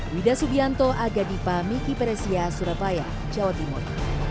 wida subianto aga dipa miki peresia surabaya jawa timur